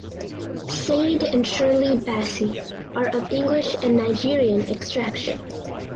Sade and Shirley Bassey are of English and Nigerian extraction.